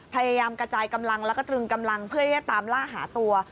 พยายามกระจายกำลังแล้วก็ตรึงกำลังเพื่อที่จะตามล่าหาตัว